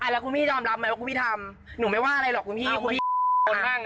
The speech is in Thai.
แล้วคุณพี่จอมรับหมายว่าคุณพี่ทำหนูไม่ว่าอะไรของคุณพี่คุณพี่ก้าดด้ง้าง